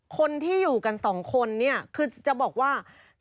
คนที่อยู่กันสองคนเนี่ยคือจะบอกว่า